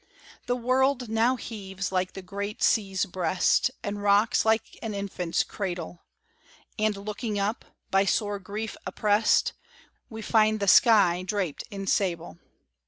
The world now heaves like the great sea's breast, And rocks like an infant's cradle; And looking up, by sore grief oppressed, We find the sky draped in sable."